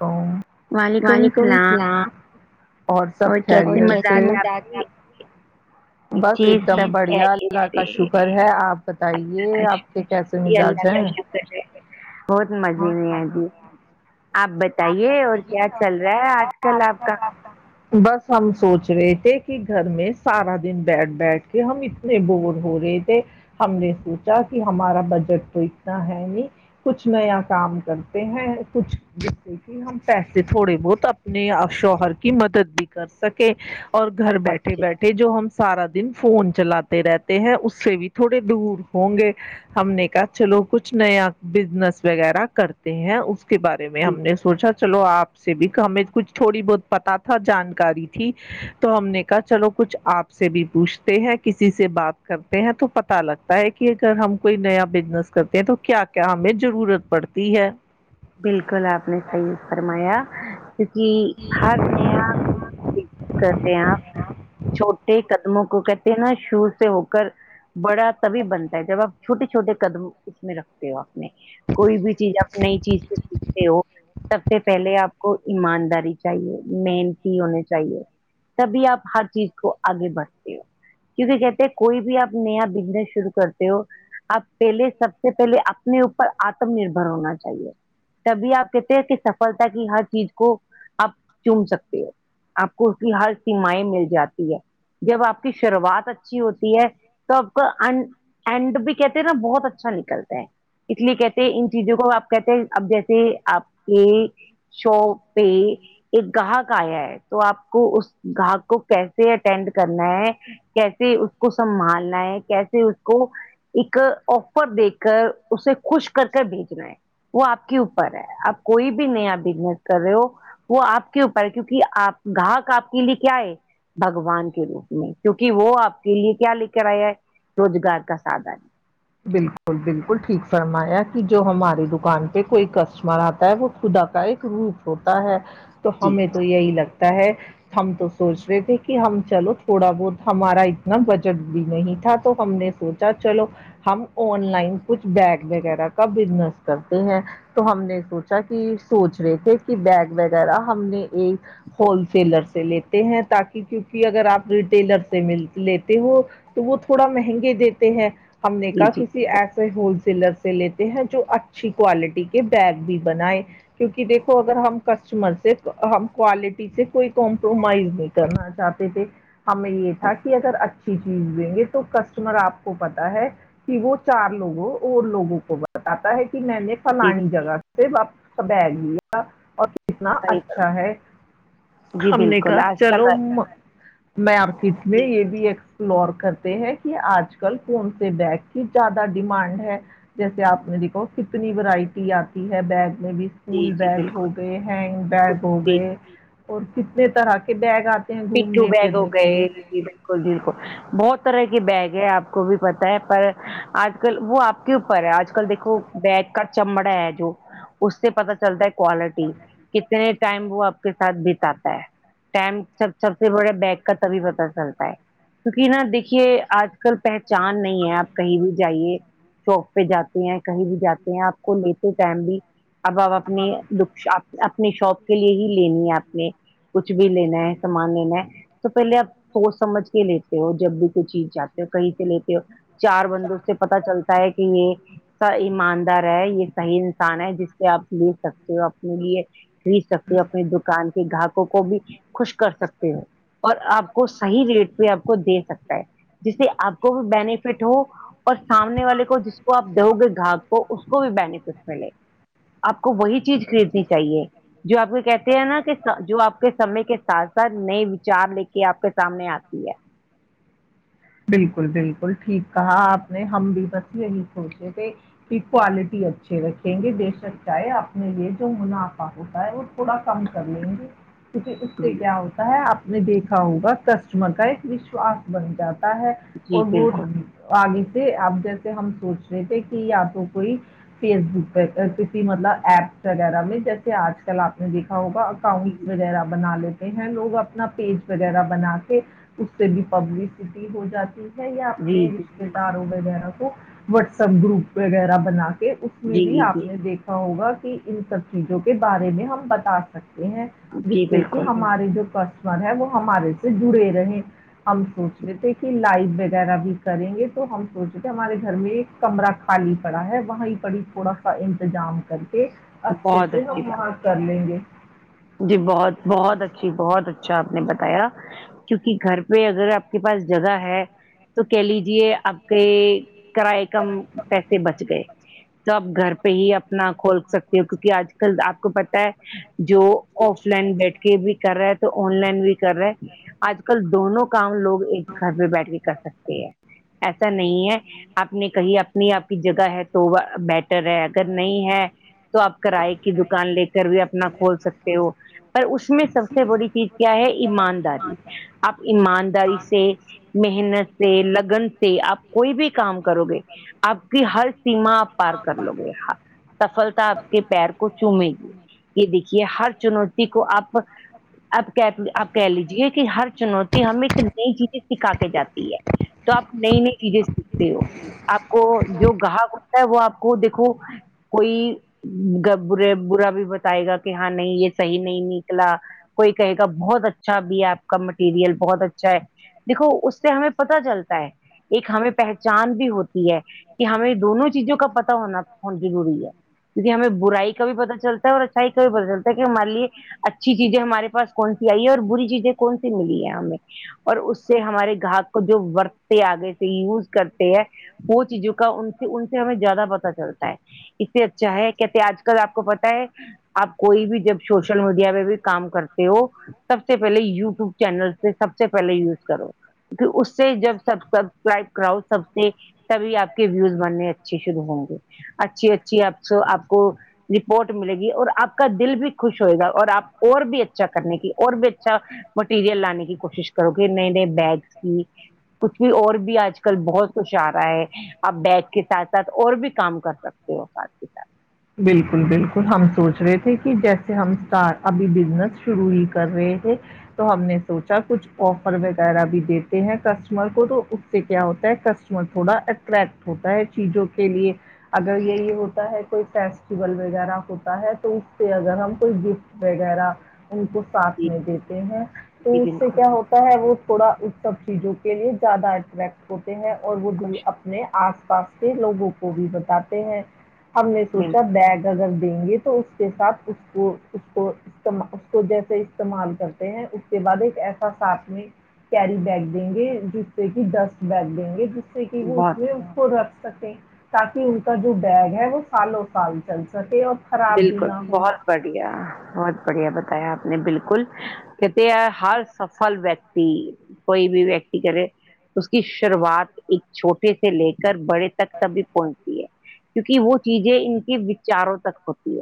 او وعلیکم السلام اور سب خیریت سے اور کیسے مزاج ہے آپکے بس جی ایک دم سب بڑھیا خیریت اللہ سے کا شکر ہے آپ اللہ بتائیے کا آپ شکر کے کیسے جی مزاج اللہ کا ہیں شکر بہت مزے میں آ جی آپ بتائیے اور کیا چل رہا ہے آج کل آپ کا بس ہم سوچ رہے تھے کہ گھر میں سارا دن بیٹھ بیٹھ کے ہم نے بور ہو رہے تھے ہم نے سوچا کہ ہمارا بجٹ تو اتنا ہے نہیں کچھ نیا کام کرتے ہیں کچھ ہم پیسے تھوڑے بہت اپنے شوہر کی مدد بھی کر سکے اور گھر بہت بیٹھے اچھی- بیٹھے جو ہم سارا دن فون چلاتے رہتے ہیں اس سے بھی تھوڑے دور ہوں گے ہم نے کہا چلو کچھ نیا بزنس وغیرہ کرتے ہیں اس کے بارے میں جی، ہم نے سونچا چلو آپ سے بھی ہمیں کچھ تھوڑی بہت پتا تھا جانکاری تھی تو ہم نے کہا چلو کچھ آپ سے بھی پوچھتے ہیں کسی سے بات کر تے ہے تو پتا لگتا ہے کہ اگر ہم کوئی نیا بزنس کرتے ہیں تو کیا کیا ہمیں ضرورت پڑتی ہے بالکل آپ نے صحیح فرمایا کیونکہ ہر نیا کوئی [unintelligible] بس کر رہ ہ چوٹ قدموں کو کہتے ہیں نا شور سے ہو کر بڑا تبھی بنتا ہے جب آپ چھوٹے چھوٹے قدم اس میں رکھتے ہو اپنے کوئی بھی چیز نئی چیز سے سیکھتے ہو سب سے پہلے آپ کو ایمانداری چاہیے محنتی ہونے چاہیے تبھی آپ ہر چیز کو آگے بڑھتے ہو کیونکہ کہتے کوئی بھی آپ نیا بزنس شروع کرتے ہو اپ پہلے سب سے پہلے اپنے اوپر آتم نربر ہونا چاہیے تبھی آپ کہتے ہیں کہ سفلتا کی ہر چیز کو آپ چوم سکتے ہو آپ کو اس کی ہر سیمائیں مل جاتی ہے جب آپ کی شروعات اچھی ہوتی ہے تو آپ کا ان اینڈ بھی کہتے ہیں نا بہت اچھا نکلتا ہے اس لیے کہتے ان چیزوں کو آپ کہتے ہیں اب جیسے آپ کے شاپ پہ ایک گاہک آیا ہے تو آپ کو اس گاہک کو کیسے اٹینڈ کرنا ہے کیسے اس کو سنبھالنا ہے کیسے اس کو ایک آفر دے کر اسے خوش کر کر بھیجنا ہے وہ آپ کے اوپر ہے آپ کوئی بھی نیا بزنس کر رہے ہو وہ آپ کے اوپر ہے کیونکہ آپ گاہک آپ کے لیے کیا ہے بگوان کے روپ میں کیونکہ وہ آپ کے لیے کیا لے کر آیا ہے روزگار کا سادھن بالکل بالکل ٹھیک فرمایا کہ جو ہماری دکان پہ کوئی کسٹمر آتا ہے وہ خدا کا ایک روپ ہوتا ہے تو جی ہمیں تو یہی لگتا ہے ہم تو سوچ رہے تھے کہ ہم چلو تھوڑا بہت ہمارا اتنا بجٹ بھی نہیں تھا تو ہم نے سوچا اچھا چلو ہم آن لائن کچھ بیگ وغیرہ کا بزنس کرتے ہیں تو ہم نے سوچا کہ سوچ رہے تھے کہ بیگ وغیرہ ہم نے ایک ہولسییلر سے لیتے ہیں تاکہ کیونکہ اگر آپ ریٹیلر سے مل لیتے ہو تو وہ تھوڑا مہنگے دیتے ہیں ہم نے کہا جی جی کسی بالکل ایسا ہول سیلر سے لیتے ہیں جو اچھی کوالٹی کے بیگ بھی بنائے کیونکہ دیکھو اگر ہم کسٹمر سے ہم کوالٹی سے کوئی کمپرومائز نہیں کرنا چاہتے تھے ہمیں یہ تھا کہ اگر اچھی چیز دیں گے تو کسٹمر آپ کو پتاہ ہے کہ وہ چار لوگوں اور لوگوں کو بتاتا ہے کہ میں نے جی فلانی بالکل جگہ سے وہ کا بیگ لیا اور کتنا صحیح اچھا فرما- ہے جی ہم نے بالکل کہا آج کل چلو مارکیٹ میں جی یہ بھی ایکسپلور کرتے ہیں کہ آج کل کون سا بیگ کی زیادہ ڈیمانڈ ہے جیسے آپ نے دیکھو اتنی ورائٹی آتی ہے بیگ میں بھی جی اسکول جی بیگ ہو بالکل گئے ہینگ بالکل بیگ ہو جی گئے اور کتنے طرح کے بیگ آتے ہیں پٹھو گھومنے بیگ ہو پھرنے کے لیے گئے بالکل بالکل بہت طرح کے بیگ ہیں آپ کو بھی پت ہے پر آج کل وہ آپ کے اوپر ہے آج کل دیکھو بیگ کا چمڑا ہے جو اس سے پتا چلتا ہے کوالٹی کتنے ٹائم وہ آپ کے ساتھ بتا تا ہے ٹائم سب سب سے بڑے بیگ کا تبھی پتا چلتا ہے کیونکہ نا دیکھیے آج کل پہچان نہیں ہے آپ کہیں بھی جائیے شاپ پہ جاتے ہیں کہیں بھی جاتے ہیں آپ کو لیتے ٹائم بھی اب اب اپنی اپنے شوق کے لیے ہی لینی ہے آپ نے کچھ بھی لینا ہے سامان لینا ہے تو پہلے آپ سوچ سمجھ کے لیتے ہو جب بھی کوئی چیز چاہتے ہو کہیں سے لیتے ہو چار بندوں سے پتا چلتا ہے کہ یہ ایماندار ہے یہ صحیح انسان ہے جس سے آپ لے سکتے ہو اپنے لیے خرید سکتے ہو اپنی دکان کے گاہکوں کو بھی خوشک کر سکتے ہو اور آپ کو صحیح ریٹ پہ آپ کو دے سکتا ہے جسے آپ کو بھی بینیفٹ ہو اور سامنے والے کو جس کو آپ دو گے گھاگ کو اس کو بھی بینیفٹ ملے گ آپ کو وہی چیز خریدنی چاہیے جو آپ کو کہتے ہیں نا کہ جو آپ کے سمے کے اصل میں وچار لے کے آپ کے سامنے آتی ہے بالکل بالکل ٹھیک کہا آپ نے ہم بھی بس یہی سوچے تھے کوالٹی اچھے رکھیں گے بے شک چاہے اپنے یہ جو منافع ہوتا ہے وہ تھوڑا کم کر لیں گے کیونکہ اس سے جی کیا ہوتا ہے آپ نے دیکھا ہوگا کسٹمر کا ایک وشواس بن جاتا ہے جی اور وہ بالکل آگے سے اب جیسے ہم سوچ رہے تھے کہ یا تو کوئی فیس بک پر کسی مطلب ایپ وغیرہ میں جیسے آج کل آپ نے دیکھا ہوگا جی اکاؤنٹس وغیرہ بنا لیتے ہیں لوگ اپنا پیج وغیرہ بنا کے اس سے بھی پبلسٹی ہو جاتی یہ جی اپنے رشتے داروں وغیرہ کو واٹسپ گروپ وغیرہ بنا کے یہ بھی جی جی آپ نے دیکھا ہوگا کہ ان سب چیزوں کے بارے میں ہم بتا سکتے ہیں جس جی سے کہ بالکل ہمارے جو کسٹمر ہے وہ ہمارے سے جڑے رہے ہم سوچتے تھے کہ لائف وغیرہ بھی کریں گے تو ہم سوچے تھے ہمارے گھر میں ایک کمرہ خالی پڑا ہے وہاں پڑ ہی تھوڑا کا انتظام کر کے اچھے بہت سے اچھی ہم بات وہاں کر لیں گے جی بہت بہت اچھی بہت اچھا آپ نے بتایا کیونکہ گھر پہ اگر آپ کے پاس جگہ ہے تو کہہ لیجیے آپ کے کرائے کم پیسے بچ گئے تو آپ گھر پہ ہی اپنا کھول سکتے ہو کیونکہ آج کل آپ کو پتا ہے جو آف لائن بیٹھ کے بھی کر رہا ہے تو آن لائن بھی کر رہے ہیں آج کل دونوں کام لوگ ایک گھر پہ بیٹھ کے کر سکتے ہیں ایسا نہیں ہے آپ نے کہی اپنی آپ کی جگہ ہے تو بیٹر ہے اگر نہیں ہے تو آپ کرائے کی دکان لے کر بھی اپنا کھول سکتے ہو پر اس میں سب سے بڑی چیز کیا ہے ایمانداری آپ ایمانداری سے محنت سے لگن سے آپ کوئی بھی کام کرو گے آپ کی ہر سیما آپ پار کر لو گے سفلتا آپ کے پیر کو چومے گی یہ دیکھیے ہر چنوتی کو آپ اب کہ آپ کہہ لیجیے کہ ہر چنوتی ہمیں ایک نئی چیز سکھا کے جاتی ہے تو آپ نئی نئی چیزیں سیکھتے ہو آپ کو جو گاہک ہوتا ہے وہ آپ کو دیکھو کوئی برے برا بھی بتائے گا کہ ہاں نہیں یہ صحیح نہیں نکلا کوئی کہے گا بہت اچھا بھی ہے آپ کا مٹیریل بہت اچھا ہے دیکھو اس سے ہمیں پتا چلتا ہے ایک ہمیں پہچان بھی ہوتی ہے کہ ہمیں دونوں چیزوں کا پتا ہونا بہت ضروری ہے کیونکہ ہمیں برائی کا بھی پتا چلتا ہے اور اچھائی کا بھی پتا چلتا ہے مان لیے اچھی چیزیں ہمارے پاس کون سی آئی ہے اور بری چیزیں کون سی ملی ہے ہمیں اور اس سے ہمارے گاہک کو جو وورتتے آگے تھ یوز کرتے ہیں وہ چیزوں کا ان سے ان سے ہمیں زیادہ پتا چلتا ہے اس سے اچھا ہے کہتے آج کل آپ کو پتا ہے آپ کوئی بھی جب سوشل میڈیا پہ بھی کام کرتے ہو سب سے پہلے یو ٹوب چینل پہ سب سے پہلے یوز کرو کیونکہ اس سے جب سب سبسکرائب کراؤ سب سے تبھی آپ کے ویوز بننے اچھے شروع ہوں گے اچھی اچھی آپ آپ کو رپورٹ ملے گی اور آپ کا دل بھی ہو گا اور آپ اور بھی اچھا کرنے کی اور بھی اچھا مٹیریل لانے کی کوشش کر کرو کہ نئے نئے بیگس کی کچھ بھی اور بھی آج کل بہت کچھ آ رہا ہے آپ بیگ کے ساتھ ساتھ اور بھی کام کر سکتے ہو ساتھ کے ساتھ بالکل بالکل ہم سوچ رہے تھے کہ جیسے ہم اسٹار ابھی بزنس شروع ہی کر رہے تھے تو ہم نے سوچا کچھ آفر وغیرہ بھی دیتے ہیں کسٹمر کو تو اس سے کیا ہوتا ہے کسٹمر تھوڑا کریکٹ ہوتا ہے چیزوں کے لیے اگر یہی ہوتا ہے کوئی فیسٹیول وغیرہ ہوتا ہے تو اس پہ اگر ہم کوئی گفٹ وغیرہ ان کو ساتھ جی میں دیتے ہیں تو اس جی سے بالکل کیا ہوتا ہے وہ تھوڑا ان سب چیزوں کے لیے زیادہ اٹریکٹ ہوتے ہیں اور وہ دور خوش اپنے اپنے آس پاس کے لوگوں کو بھی بتاتے ہیں ہم نے سوچا بالکل بیگ اگر دیں گے تو اس کے ساتھ اس کو اس کو اس کو جیسے استعمال کرتے ہیں اس کے بعد ایک ایسا سپ کیری بیگ دیں گے جس سے کہ ڈسٹ بیگ دیں گے جس سے کہ وہ بہت بھی کو رکھ سکے تاکہ ان کا جو بیگ ہے وہ سالوں سال چل سکے اور خراب بھی بالکل نہ ہو بہت بڑھیا بہت بڑھیا بتایا آپ نے بالکل کہتے ہے ہر سفل ویکتی کوئی بھی ویکتی کرے اس کی شروعات ایک چھوٹے سے لے کر بڑے تک تبھی پہنچتی ہے کیونکہ وہ چیزیں ان کے وچاروں تک ہوتی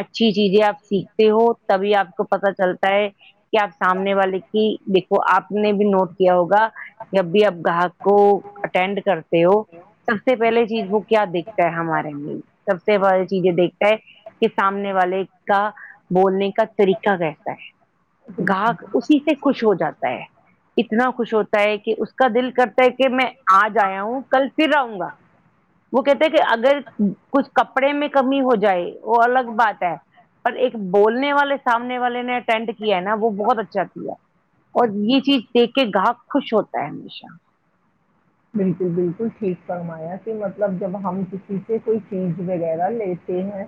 اچھی چیزیں آپ سیکھتے ہو تبھی آپ کو پتا چلتا ہے کہ آپ سامنے والے کی دیکھو آپ نے بھی نوٹ کیا ہوگا جب بھی اب گاہک کو اٹینڈ کرتے ہو سب سے پہلے چیز وہ کیا دیکھتے ہمارے لے سب سے بڑ چیزیں دیکھ کہ سامنے والے کا بولنے کا طریقہ کہتا ہے بالکل گاہک اسی سے خوش ہو جاتا ہے اتنا خوش ہوتا ہے کہ اس کا دل کرتا ہے کہ میں آج آیا ہوں کل پھر آؤں گا وہ کہتے کہ اگر کچھ کپڑے میں کمی ہو جائے وہ الگ بات ہے پر ایک بولنے والے سامنے والے نے اٹینٹ کیا ہے نا وہ بہت اچھا کیا اور یہ چیز دیکھ کے گاہک خوش ہوتا ہے ہمیشہ بالکل بالکل ٹھیک فرمایا کہ مطلب جب ہم کسی سے کوئی چیز وغیرہ لیتے ہیں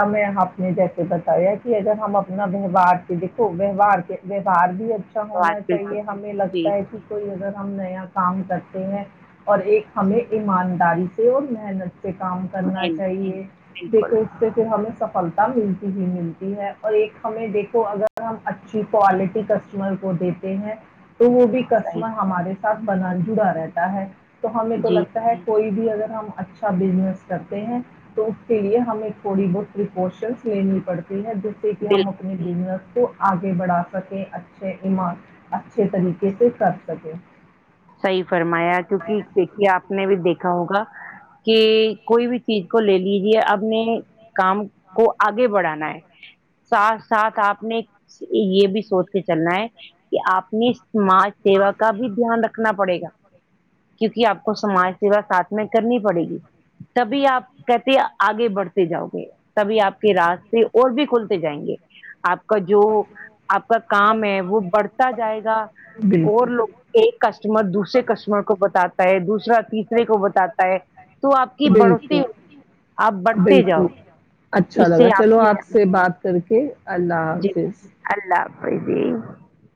ہم میں آپ نے جیسے بتایا کہ اگر ہم اپنا ویہوار سے دیکھو ویہوار کے ویہوار بھی اچھا اچھا بات ہونا چاہیے بالکل ہمیں جی لگتا ہے کہ کوئی اگر ہم نیا کام کرتے تے ہےاور ایک ہمیں ایمانداری سے اور محنت سے کام کرنا نہیں نہیں چاہیے بالکل دیکھو اس سے پھر ہمیں سب سفلتا ملتی ہی ملتی ہے اور ایک ہمیں دیکھو اگر ہم اچھی کوالٹی کسٹمر کو دے تے ہے تو وہ بھی صحیح کسٹمر ہمارے ساتھ بنا جڑا رہتا ہے تو ہمیں تو جی لگتا ہے کوئی بھی اگر ہم اچھا بزنس کرتے ہیں تو اس کے لیے ہمیں تھوڑی بہت پریکوشنس لینی پڑتی ہے جیس سے کہ ہم بالکل اپنے بزنیس کو آگے بڑھا سکے اچھے ایمار اچھے طریقے سے کر سکے صحیح فرمایا کیونکہ دیکھیے آپ نے بھی دیکھا ہوگا کہ کوئی بھی چیز کو لے لیجیے آپ نے کام کو آگے بڑھانا ہے ساتھ ساتھ آپ نے یہ بھی سوچ کے چلنا ہے کہ آپ نے سماج سیوا کا بھی دھیان رکھنا پڑے گا کیونکہ آپ کو سماج سیوا ساتھ میں کرنی پڑے گی تبھی آپ کہتے ہیں آگے بڑھتے جاؤ گے تبھی آپ کے راز اور بھی کھولتے جائیں گے آپ کا جو آپ کا کام ہے وہ بڑھتا جائے گا اور بالکل لوگ ایک کسٹمر دوسرے کسٹمر کو بتاتا ہے دوسرا تیسرے کو بتاتا ہے تو آپ کی بڑھوتی آپ بڑھتے جاؤ اچھا اس سے لگا چلو آپ سے کے بات کر کے اللہ جی حافظ اللہ حا فظ